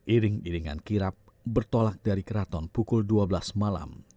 iring iringan kirap bertolak dari keraton pukul dua belas malam